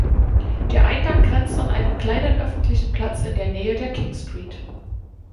Der Eingang grenzt an einen kleinen öffentlichen Platz in der Nähe der King Street.